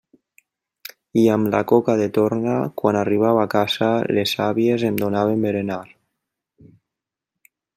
I amb la coca de torna, quan arribava a casa, les àvies em donaven berenar.